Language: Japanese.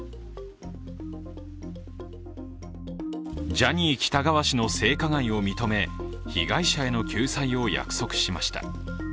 ジャニー喜多川氏の性加害を認め被害者への救済を約束しました。